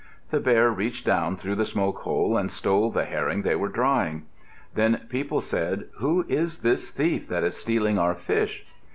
The bear reached down through the smoke hole and stole the herring they were drying. Then people said; "Who is this thief that is stealing our fish?"